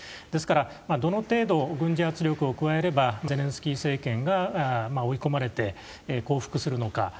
ですから、どの程度軍事圧力を加えればゼレンスキー政権が追い込まれて降伏するのか。